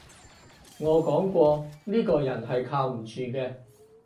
我講過呢個人係靠唔住嘅